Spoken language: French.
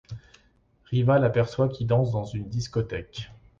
Riva l'aperçoit qui danse dans une discothèque.